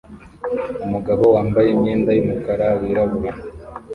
Umugabo wambaye imyenda yumukara wirabura